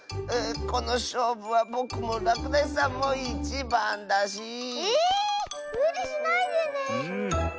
このしょうぶはぼくもらくだしさんもいちばんだし。えむりしないでね。